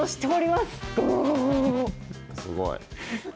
すごい。